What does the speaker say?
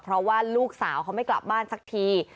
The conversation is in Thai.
เพราะว่าลูกสาวเขาไม่กลับบ้านสักที